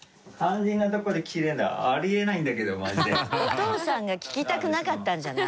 お父さんが聞きたくなかったんじゃない？